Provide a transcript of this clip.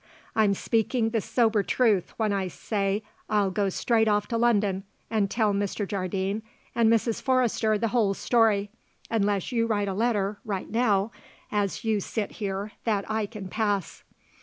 I'm speaking the sober truth when I say I'll go straight off to London and tell Mr. Jardine and Mrs. Forrester the whole story, unless you write a letter, right now, as you sit here, that I can pass."